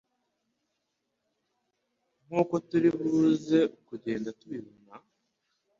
nk' uko turi buze kugenda tubibona